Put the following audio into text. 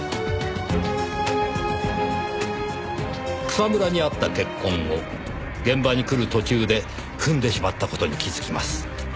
草むらにあった血痕を現場に来る途中で踏んでしまった事に気づきます。